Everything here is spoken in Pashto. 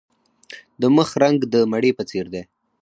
د مخ رنګ د مڼې په څیر دی.